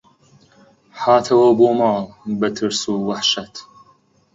هاتەوە بۆ ماڵ بە ترس و وەحشەت